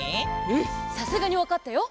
うんさすがにわかったよ！